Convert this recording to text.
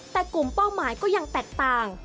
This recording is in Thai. แต่กลุ่มเป้าหมายก็ยังแตกต่าง